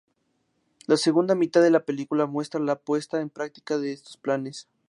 La segunda mitad de la película muestra la puesta en práctica de estos planes.